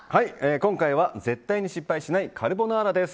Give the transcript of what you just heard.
今回は絶対に失敗しないカルボナーラです。